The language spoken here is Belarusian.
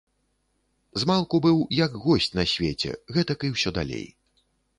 Змалку быў як госць на свеце, гэтак і ўсё далей.